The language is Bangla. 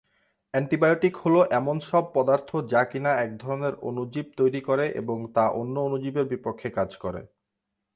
অ্যান্টিবায়োটিক হল এমন সব পদার্থ যা কিনা একধরনের অণুজীব তৈরি করে এবং তা অন্য অণুজীবের বিপক্ষে কাজ করে।